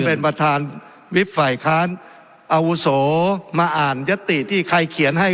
เป็นประธานวิบฝ่ายค้านอาวุโสมาอ่านยติที่ใครเขียนให้